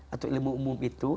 atau ilmu umum itu